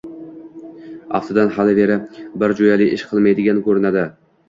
Aftidan, hali-veri bir joʻyali ish qilinmaydigan koʻrinadi.